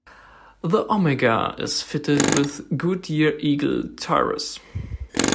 The Omega is fitted with Goodyear Eagle tyres.